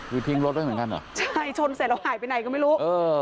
คือทิ้งรถไว้เหมือนกันเหรอใช่ชนเสร็จแล้วหายไปไหนก็ไม่รู้เออ